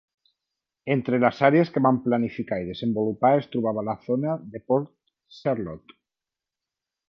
Entre les àrees que van planificar i desenvolupar es trobava la zona de Port Charlotte.